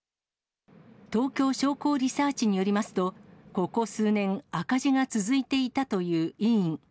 東京商工リサーチによりますと、ここ数年、赤字が続いていたという医院。